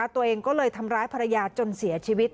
ตัวเองก็เลยทำร้ายภรรยาจนเสียชีวิต